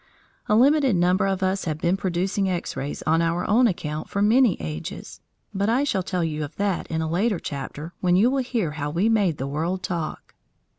A limited number of us had been producing X rays on our own account for many ages, but I shall tell you of that in a later chapter, when you will hear how we made the world talk.